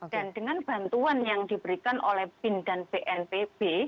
dengan bantuan yang diberikan oleh bin dan bnpb